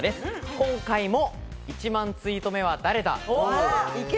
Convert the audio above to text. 今回も「１万ツイート目は誰だ！？」です。